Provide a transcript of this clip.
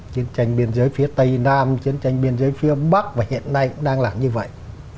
chiến tranh biên giới phía tây nam chiến tranh biên giới phía bắc và hiện nay cũng đang làm như vậy